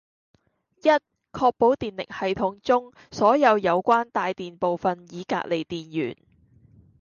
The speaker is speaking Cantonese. （一）確保電力系統中所有有關帶電部分已隔離電源